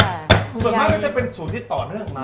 ส่วนมากก็จะเป็นศูนย์ที่ต่อเนื่องมา